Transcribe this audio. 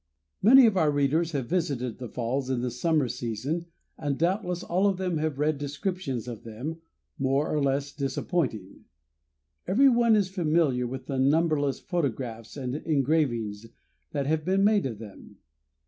Many of our readers have visited the falls in the summer season and doubtless all of them have read descriptions of them, more or less disappointing; everyone is familiar with the numberless photographs and engravings that have been made of them.